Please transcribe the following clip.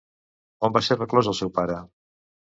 On va ser reclòs el seu pare?